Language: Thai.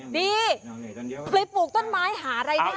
ดีไปปลูกต้นไม้หารายได้